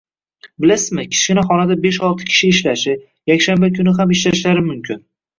Bilasizmi, kichkina xonada besh-olti kishi ishlashi, yakshanba kuni ham ishlashlari mumkin.